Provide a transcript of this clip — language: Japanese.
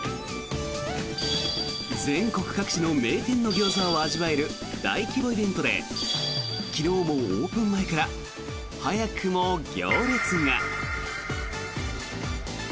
全国各地の名店のギョーザを味わえる大規模イベントで昨日もオープン前から早くも行列が。